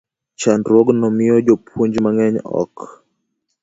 Chandruogno miyo jopuonj mang'eny ok